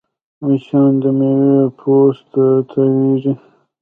مچان د میوې پوست ته تاوېږي